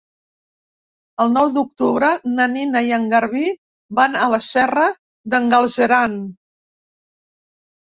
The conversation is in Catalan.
El nou d'octubre na Nina i en Garbí van a la Serra d'en Galceran.